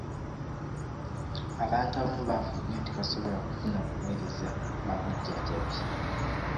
Abantu abamu baavu nnyo tebasobola kufuna buweereza bwa bujjanjabi.